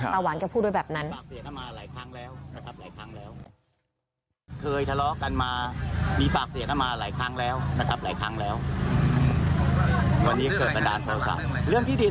ตาหวานก็พูดด้วยแบบนั้น